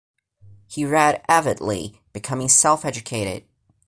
He read avidly, becoming self-educated.